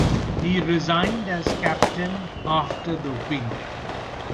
He resigned as captain after the win.